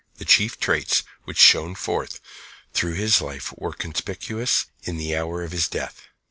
The chief traits which shone forth through his life were conspicuous in the hour of death.